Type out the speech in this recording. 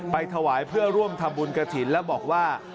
ไปถวายเพื่อร่วมทำบุญกระถิ่นแล้วบอกว่า